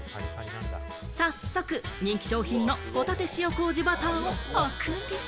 早速、人気商品のホタテ塩麹バターをパクリ。